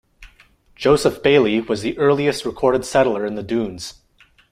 Joseph Bailly was the earliest recorded settler in the dunes.